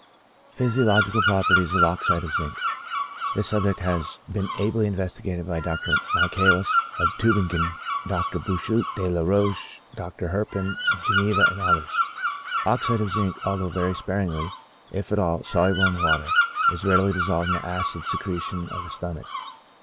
PHYSIOLOGICAL PROPERTIES OF OXIDE OF ZINC. This subject has been ably investigated by Dr. Michaelis of Tubingen, Dr. Bouchut, De la Roche, Dr. Herpin of Geneva, and others. Oxide of zinc, although very sparingly, if at all, soluble in water, is readily dissolved in the acid secretion of the stomach.